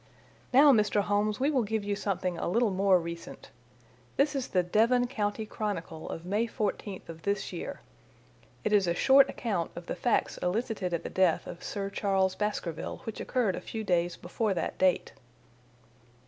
"Now, Mr. Holmes, we will give you something a little more recent. This is the Devon County Chronicle of May 14th of this year. It is a short account of the facts elicited at the death of Sir Charles Baskerville which occurred a few days before that date."